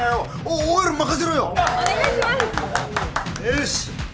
よし。